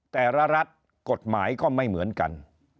แต่ละรัฐกฎหมายก็ไม่เหมือนกัน